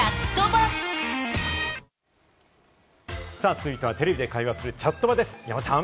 続いては、テレビで会話するチャットバです、山ちゃん。